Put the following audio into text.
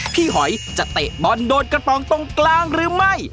หอยจะเตะบอลโดนกระป๋องตรงกลางหรือไม่